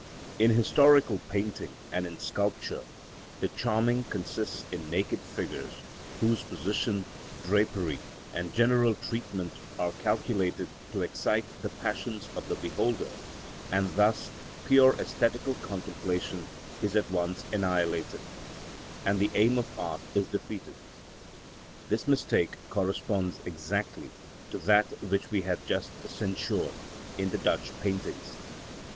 In historical painting and in sculpture the charming consists in naked figures, whose position, drapery, and general treatment are calculated to excite the passions of the beholder, and thus pure æsthetical contemplation is at once annihilated, and the aim of art is defeated. This mistake corresponds exactly to that which we have just censured in the Dutch paintings.